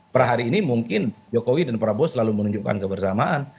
per hari ini mungkin jokowi dan prabowo selalu menunjukkan kebersamaan